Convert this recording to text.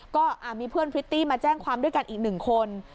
ก็มีเพื่อนพริตตี้มาแจ้งความด้วยกันอีกหนึ่งคน